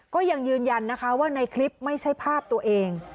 ก็ยังยืนยันนะคะว่าในคลิปไม่ใช่ภาพตัวเอง